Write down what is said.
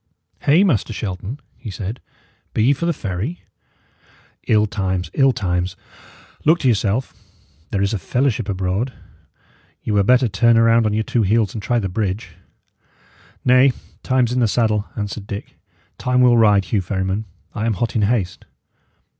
"Hey, Master Shelton," he said, "be ye for the ferry? Ill times, ill times! Look to yourself. There is a fellowship abroad. Ye were better turn round on your two heels and try the bridge." "Nay; time's in the saddle," answered Dick. "Time will ride, Hugh Ferryman. I am hot in haste."